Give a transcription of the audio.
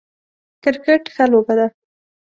کرکټ ښه لوبه ده